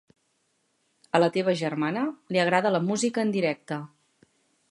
A la teva germana li agrada la música en directe.